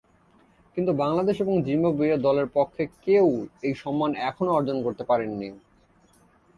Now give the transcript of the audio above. কিন্তু, বাংলাদেশ এবং জিম্বাবুয়ে দলের পক্ষে কেউ এই সম্মান এখনও অর্জন করতে পারেননি।